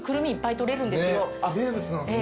名物なんですね。